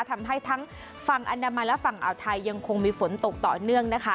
ทำให้ทั้งฝั่งอันดามันและฝั่งอ่าวไทยยังคงมีฝนตกต่อเนื่องนะคะ